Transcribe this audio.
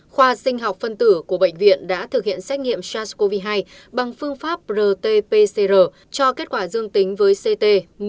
khoa sinh học phân tử của bệnh viện đã thực hiện xét nghiệm sars cov hai bằng phương pháp rt pcr cho kết quả dương tính với ct một mươi sáu năm mươi hai